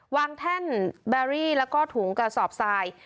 แท่นแบรี่แล้วก็ถุงกระสอบทราย